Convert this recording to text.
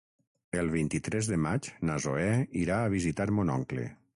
El vint-i-tres de maig na Zoè irà a visitar mon oncle.